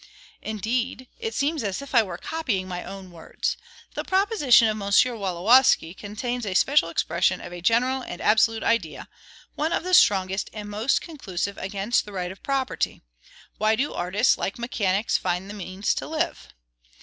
Indeed, it seems as if I were copying my own words. This proposition of M. Wolowski contains a special expression of a general and absolute idea, one of the strongest and most conclusive against the right of property. Why do artists, like mechanics, find the means to live?